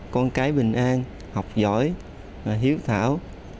con cái bình an học giỏi hiếu thảo